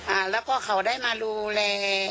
อ่าแล้วก็เขาได้มาดูแล